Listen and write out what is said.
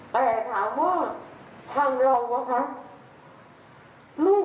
เพราะฉะนั้นเนี่ยขอฝากอิงวลนะคะว่าทางโน้นเนี่ย